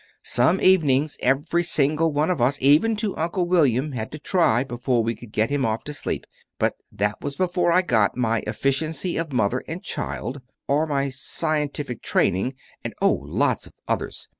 Some evenings, every single one of us, even to Uncle William, had to try before we could get him off to sleep. But that was before I got my 'Efficiency of Mother and Child,' or my 'Scientific Training,' and, oh, lots of others.